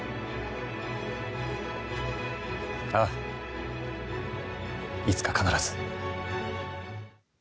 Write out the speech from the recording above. あぁ、いつか必ず。